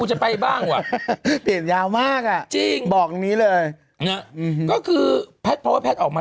คนไหนเปลี่ยนเยอะกว่ากันหรือไม่อะ